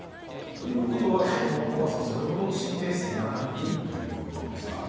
ということは怖さもそれほど神経質にならなくていいということですか？